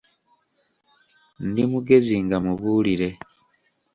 Ndi mugezi nga mubuulire.